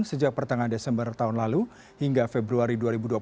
sejak pertengahan desember tahun lalu hingga februari dua ribu dua puluh